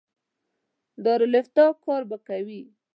د دارالافتا کار به کوي.